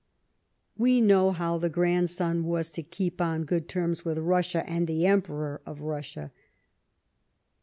We know how the grandson was to keep on good terms with Russia and the Emperor of Russia.